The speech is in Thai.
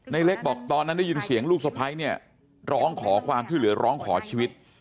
เล็กบอกตอนนั้นได้ยินเสียงลูกสะพ้ายเนี่ยร้องขอความช่วยเหลือร้องขอชีวิต